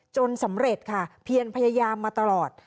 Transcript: สำเร็จค่ะเพียนพยายามมาตลอด